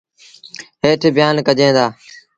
هيٽ بيآݩ ڪجين دآ۔